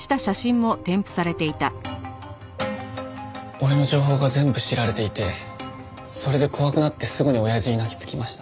俺の情報が全部知られていてそれで怖くなってすぐにおやじに泣きつきました。